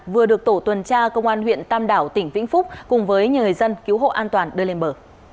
vừa được tổ tuần tra công an huyện tam đảo tỉnh vĩnh phúc cùng với nhiều người dân cứu hộ an toàn đưa lên bờ